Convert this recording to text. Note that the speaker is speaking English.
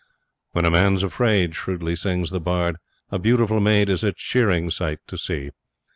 'When a man's afraid,' shrewdly sings the bard, 'a beautiful maid is a cheering sight to see'.